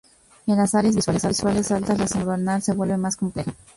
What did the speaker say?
En las áreas visuales altas, la sintonía neuronal se vuelve más compleja.